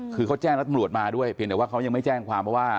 คือเขาแจ้งแล้วตำรวจมาด้วยเพียงแต่ว่าเขายังไม่แจ้งความเพราะว่า